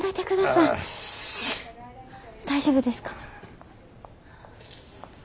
大丈夫ですか？